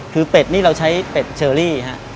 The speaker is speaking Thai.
คือเป็ดนี่เราใช้เป็ดเชอรี่ฮะ